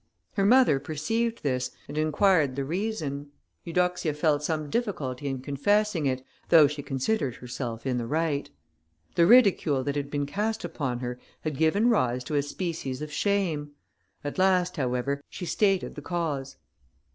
Her mother perceived this, and inquired the reason. Eudoxia felt some difficulty in confessing it, though she considered herself in the right. The ridicule that had been cast upon her had given rise to a species of shame. At last, however, she stated the cause.